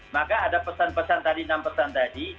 maka ada pesan pesan tadi enam pesan tadi